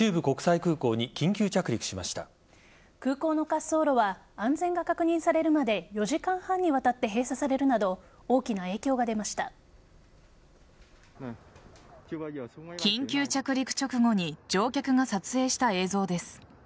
空港の滑走路は安全が確認されるまで４時間半にわたって閉鎖されるなど緊急着陸直後に乗客が撮影した映像です。